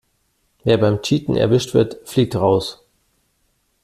Wer beim Cheaten erwischt wird, fliegt raus.